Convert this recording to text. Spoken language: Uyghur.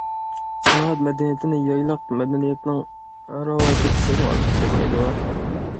سانائەت مەدەنىيىتىنى يايلاق مەدەنىيىتىنىڭ راۋاجى دېسەكمۇ ئارتۇقچە كەتمەيدۇ.